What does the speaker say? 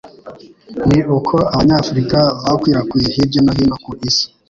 ni uko Abanyafurika bakwirakwiriye hirya no hino ku isi,